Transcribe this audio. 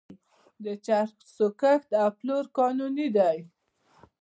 د چرسو کښت او پلور قانوني دی.